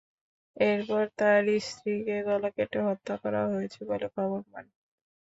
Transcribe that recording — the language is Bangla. এরপর তাঁর স্ত্রীকে গলা কেটে হত্যা করা হয়েছে বলে খবর পান।